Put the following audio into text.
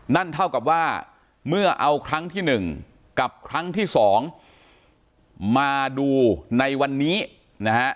นั่นเท่ากับว่าเมื่อเอาครั้งที่๑กับครั้งที่สองมาดูในวันนี้นะฮะ